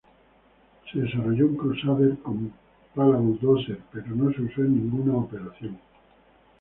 Se desarrolló un Crusader con pala bulldozer pero no se usó en ninguna operación.